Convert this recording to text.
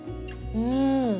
うん。